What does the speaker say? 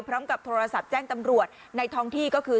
พร้อมกับโทรศัพท์แจ้งตำรวจในท้องที่ก็คือ